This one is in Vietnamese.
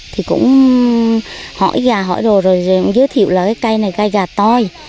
thì cũng hỏi gà hỏi đồ rồi giới thiệu là cái cây này cây gà toi